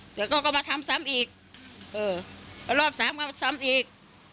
เดี๋ยวก็มาทำซ้ำอีกเออแล้วรอบสามมาตำซ้ำอีก